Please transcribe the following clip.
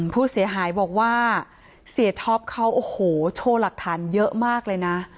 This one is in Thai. ผู้เสียหายบอกว่าเสียท็อปเขาโอ้โหโชว์หลักฐานเยอะมากเลยนะ